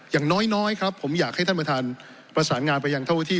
อย่างน้อยครับผมอยากให้ท่านประธานประสานงานไปยังเท่าที่